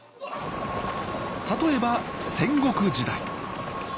例えば戦国時代。